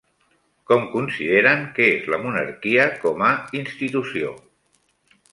Com consideren que és la monarquia com a institució?